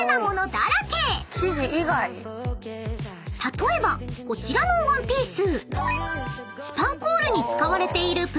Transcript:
［例えばこちらのワンピース］